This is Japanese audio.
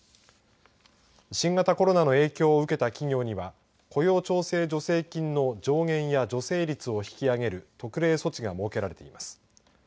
新型コロナの影響を受けた企業には雇用調整助成金の上限や助成率を引き上げる特例措置が設けられています。